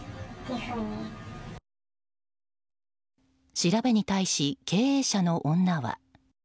調べに対し、経営者の女は。